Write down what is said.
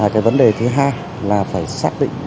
cái vấn đề thứ hai là phải xác định